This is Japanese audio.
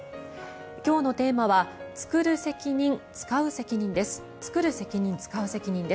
今日のテーマは「つくる責任つかう責任」。